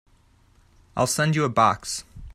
I'll send you a box.